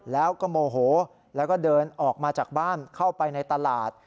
แล้วก็โมโหแล้วก็เดินออกมาจากบ้านเข้าไปในตลาด